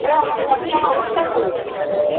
যেমন আমার সাথে?